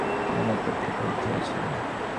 অনেক রক্ত ঝরেছে।